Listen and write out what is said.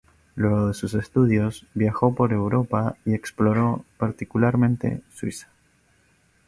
Luego de sus estudios, viajó por Europa y exploró particularmente Suiza.